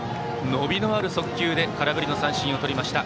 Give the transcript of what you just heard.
伸びのある速球で空振り三振をとりました。